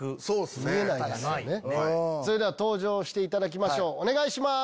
登場していただきましょうお願いします。